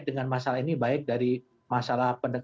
dengan masalah ini baik dari masalah